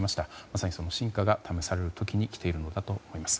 まさに、その真価が試される時に来ているのだと思います。